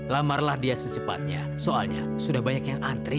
lamarlah dia secepatnya soalnya sudah banyak yang antri